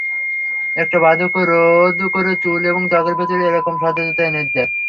এটা বার্ধক্য রোধ করে চুল এবং ত্বকের ভেতর একরকম সতেজতা এনে দেয়।